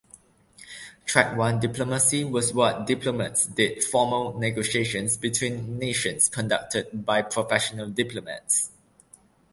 Track One diplomacy was what diplomats did-formal negotiations between nations conducted by professional diplomats.